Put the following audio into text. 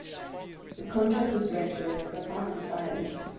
The contract was read during a profound silence.